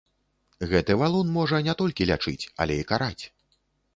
Гэты валун можа не толькі лячыць, але і караць.